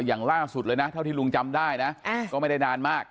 อย่างล่าสุดเลยนะเท่าที่ลุงจำได้นะก็ไม่ได้นานมาก